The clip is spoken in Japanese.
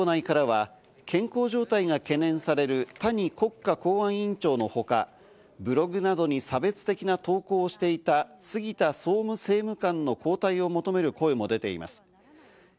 政府・与党内からは健康状態が懸念される、谷国家公安委員長のほかブログなどに差別的な投稿をしていた杉田総務政務官の交代を求める声も出ています。